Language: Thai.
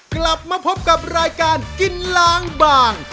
กลับมาพบกับรายการกินล้างบาง